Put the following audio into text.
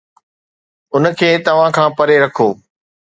ان کي توهان کان پري رکو